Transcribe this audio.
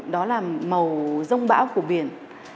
đó là màu rông bão của biển